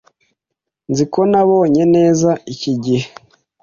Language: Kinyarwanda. Nzi ko nabonye neza iki gihe.